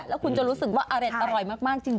และคุณจะรู้จักว่าอรรินอร่อยมากจริง